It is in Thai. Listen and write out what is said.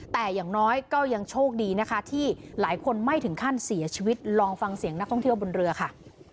แต่อย่างน้อยก็ยังโชคดีนะคะที่หลายคนไม่ถึงขั้นเสียชีวิตลองฟังเสียงนักท่องเที่ยวบนเรือค่ะ